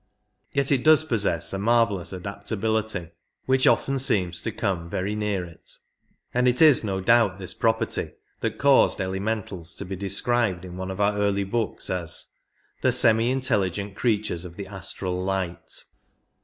Yet it does possess a marvellous adaptability which often seems to come very near it, and it is no doubt this property that caused elementals to be described in one of our early books as " the semi intelligent creatures of the astral light".